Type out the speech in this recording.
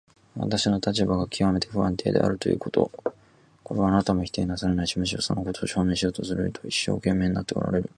私の立場がきわめて不安定であるということ、これはあなたも否定なさらないし、むしろそのことを証明しようと一生懸命になっておられる。